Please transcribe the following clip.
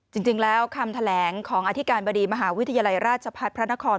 จริงแล้วคำแถลงของอธิการบดีมหาวิทยาลัยราชพัฒน์พระนคร